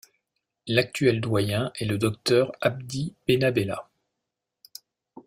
L'actuel doyen est le Docteur Abdi Benabellah.